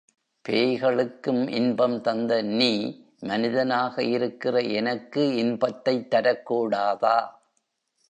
பேய்களுக்கும் இன்பம் தந்த நீ, மனிதனாக இருக்கிற எனக்கு இன்பத்தைத் தரக் கூடாதா?